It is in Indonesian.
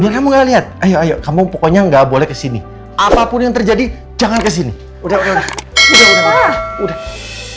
biar kamu gak liat ayo ayo kamu pokoknya gak boleh kesini apapun yang terjadi jangan kesini udah udah udah